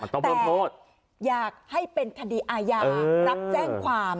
แต่อยากให้เป็นคดีอาญารับแจ้งความ